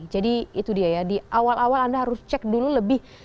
jadi itu dia ya di awal awal anda harus cek dulu lebih